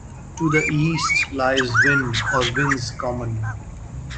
To the east lies Winn or Winn's Common.